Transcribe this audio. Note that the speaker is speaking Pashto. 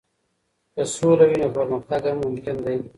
که سوله وي، نو پرمختګ هم ممکن دی.